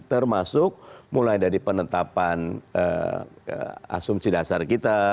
termasuk mulai dari penetapan asumsi dasar kita